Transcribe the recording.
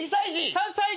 ３歳児。